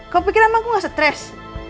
kamu pikir emang aku gak stress